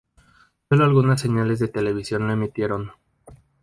Solo algunas señales de televisión lo emitieron.